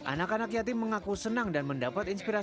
anak anak yatim mengaku senang dan mendapatkan produk tersebut